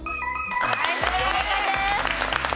正解です！